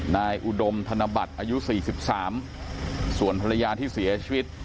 นายอุดมธนบัตรอายุสี่สิบสามส่วนภรรยาที่เสียชีวิต